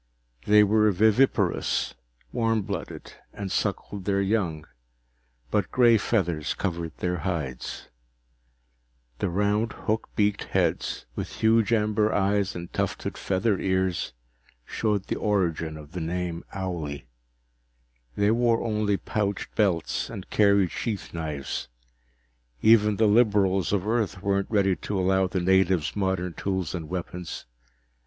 They were viviparous, warm blooded, and suckled their young, but gray feathers covered their hides. The round, hook beaked heads, with huge amber eyes and tufted feather ears, showed the origin of the name "owlie." They wore only pouched belts and carried sheath knives; even the liberals of Earth weren't ready to allow the natives modern tools and weapons.